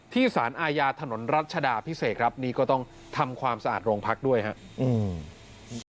สารอาญาถนนรัชดาพิเศษครับนี่ก็ต้องทำความสะอาดโรงพักด้วยครับ